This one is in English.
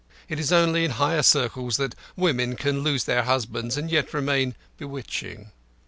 It is only in higher circles that women can lose their husbands and yet remain bewitching.